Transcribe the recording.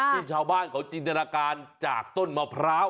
ที่ชาวบ้านเขาจินตนาการจากต้นมะพร้าว